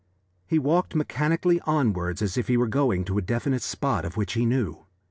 He walked mechanically onwards as if he were going to a definite spot of which he knew.